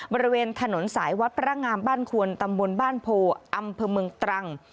บริเวณถนนสายวัดพระงามบ้านควรตำบลบ้านโพอำเภอเมืองตรัง